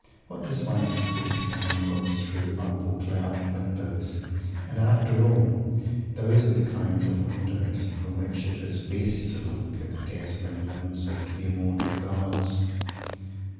What does one expect when one looks through opal clouded windows? And, after all, those are the kinds of windows from which it is best to look at the dazzling limbs of the immortal gods!